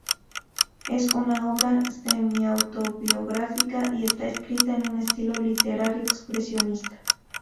Es una obra semiautobiográfica y está escrita en un estilo literario expresionista.